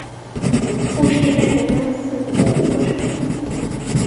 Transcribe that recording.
卧室一般容纳四或五个孩子。